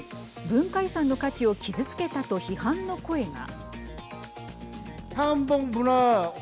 文化遺産の価値を傷つけたと批判の声が。